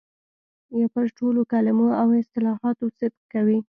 پر ټولو کلمو او اصطلاحاتو صدق کوي.